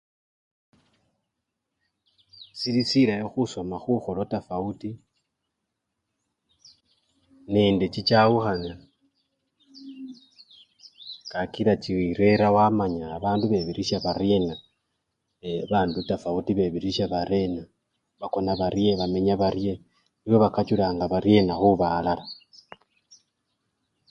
Sili silayi khusoma khukholo tafawuti nende chichawukhana kakila chirela wamanya bandu bebirisya baryena, bandu tafawuti bebirisya baryena, bakona barye, bamenya barye namwe bakachulanga barye khuba alala.